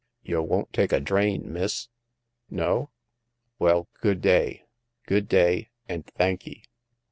Y' won't take a drain, miss ? No ? Well, good day ! good day, and thankee."